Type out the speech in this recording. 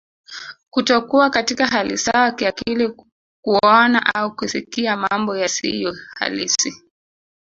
Kutokuwa katika hali sawa kiakili kuona au kusikia mambo yasiyohalisi